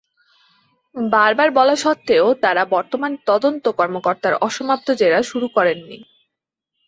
বারবার বলা সত্ত্বেও তাঁরা বর্তমান তদন্ত কর্মকর্তার অসমাপ্ত জেরা শুরু করেননি।